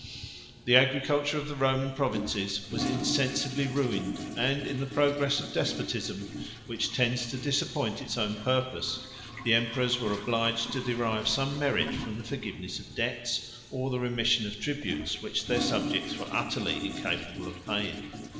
176 The agriculture of the Roman provinces was insensibly ruined, and, in the progress of despotism which tends to disappoint its own purpose, the emperors were obliged to derive some merit from the forgiveness of debts, or the remission of tributes, which their subjects were utterly incapable of paying.